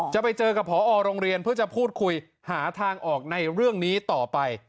จะไปเจอกับพอโรงเรียนเพื่อจะพูดคุยหาทางออกในเรื่องนี้ต่อไป